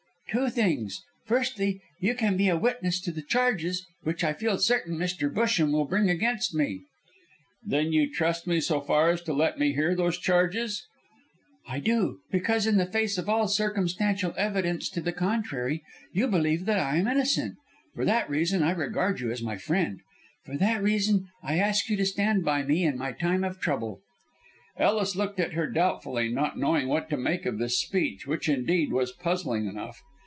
"Two things. Firstly, you can be a witness to the charges, which, I feel certain, Mr. Busham will bring against me." "Then you trust me so far as to let me hear those charges?" "I do, because in the face of all circumstantial evidence to the contrary you believe that I am innocent. For that reason I regard you as my friend, for that reason I ask you to stand by me in my time of trouble." Ellis looked at her doubtfully, not knowing what to make of this speech, which, indeed, was puzzling enough.